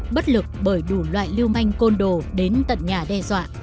bất lực bởi đủ loại lưu manh côn đồ đến tận nhà đe dọa